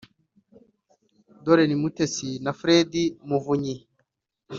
Doreen Umutesi na Fred Muvunyi